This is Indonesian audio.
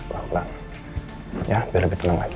biar lebih tenang lagi